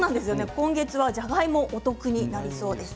今月はじゃがいもがお得になりそうです。